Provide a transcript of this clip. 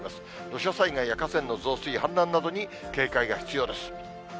土砂災害や河川の増水、氾濫などに警戒が必要です。